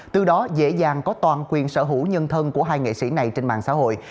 từ đó dễ dàng có toàn quyền sở hữu nhân thân của hai nghệ sĩ này trên mạng xã hội